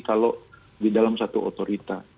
kalau di dalam satu otorita